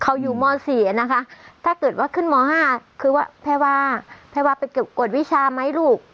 เขาอยู่ม๔นะคะถ้าเกิดว่าขึ้นม๕คือว่าแพรวาแพรวาไปเก็บกวดวิชาไหมลูก